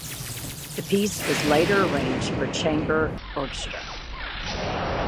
The piece was later arranged for chamber orchestra.